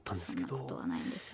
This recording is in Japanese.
そんなことはないんですよ。